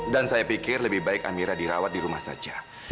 dan saya pikir lebih baik amira dirawat di rumah saja